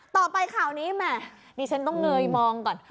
ต่อไปข่าวนี้แหมดิฉันต้องเงยมองก่อน